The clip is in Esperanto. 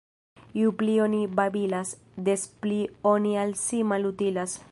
Ju pli oni babilas, des pli oni al si malutilas.